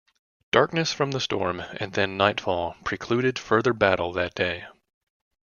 Darkness from the storm and then nightfall precluded further battle that day.